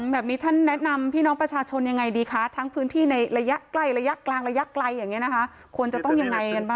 แบบนี้ท่านแนะนำพี่น้องประชาชนยังไงดีคะทั้งพื้นที่ในระยะใกล้ระยะกลางระยะไกลอย่างนี้นะคะควรจะต้องยังไงกันบ้าง